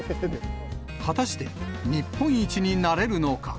果たして日本一になれるのか。